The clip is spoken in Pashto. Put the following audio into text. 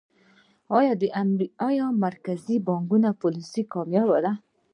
آیا د مرکزي بانک پالیسي کامیابه ده؟